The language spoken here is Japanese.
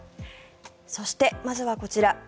そして、まずはこちら。